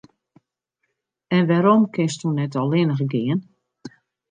En wêrom kinsto net allinnich gean?